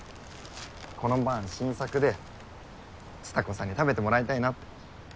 このパン新作で蔦子さんに食べてもらいたいなって。